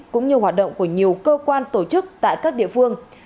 cũng như hoạt động của nhiều cơ quan tổ chức tại các địa phương